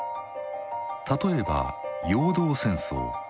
例えば「陽動戦争」。